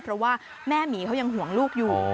เพราะว่าแม่หมีเขายังห่วงลูกอยู่